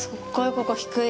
ここ低い！